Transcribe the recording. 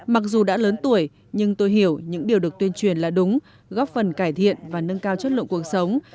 mặc dù đã lớn tuổi nhưng tôi hiểu những điều được tuyên truyền là đúng góp phần cải thiện và nâng cao chất lượng cuộc sống